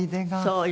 そう。